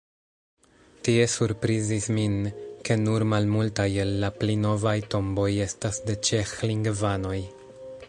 Tie surprizis min, ke nur malmultaj el la pli novaj tomboj estas de ĉeĥlingvanoj.